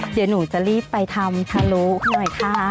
เดี๋ยวหนูจะรีบไปทำทะลุหน่อยค่ะ